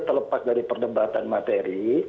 terlepas dari perdebatan materi